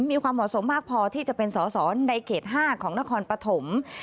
มีความเหมาะสมมากพอที่จะเป็นสอสอในเขต๕ของนครปฐม